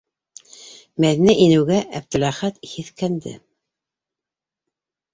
Мәҙинә инеүгә Әптеләхәт һиҫкәнде.